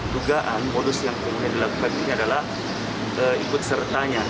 dugaan modus yang kemudian dilakukan ini adalah ikut sertanya